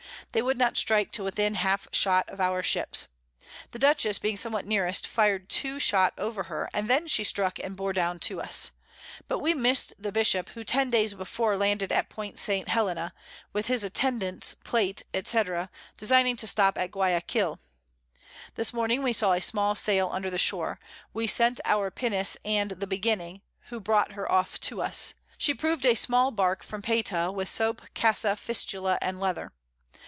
They would not strike till within half shot of our Ships: The Dutchess being somewhat nearest, fir'd two Shot over her, and then she struck, and bore down to us. But we miss'd the Bishop, who ten days before landed at Point St. Hellena, with his Attendants, Plate, &c. designing to stop at Guiaquil. This Morning we saw a small Sail under the shore; we sent our Pinnace and the Beginning, who brought her off to us: she prov'd a small Bark from Payta with Soap, Cassa, Fistula, and Leather.